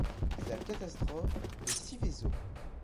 C'est la catastrophe de Seveso.